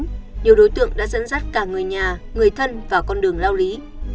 nhưng nhiều đối tượng đã dẫn dắt cả người nhà người thân vào con đường lao lý